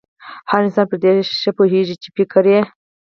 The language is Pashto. هر انسان پر دې ښه پوهېږي چې فکري